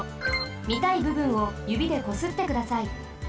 みたいぶぶんをゆびでこすってください。